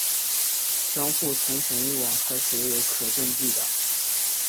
江户从前一晚开始也有可感地震。